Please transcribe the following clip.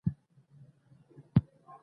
نايله او څانګه ښې ملګرې دي